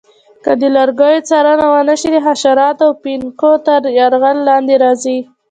که د لرګیو څارنه ونه شي د حشراتو او پوپنکو تر یرغل لاندې راځي.